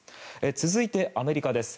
続いて、アメリカです。